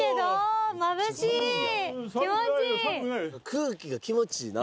空気が気持ちいいな。